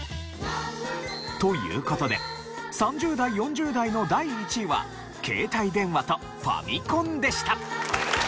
という事で３０代４０代の第１位は携帯電話とファミコンでした。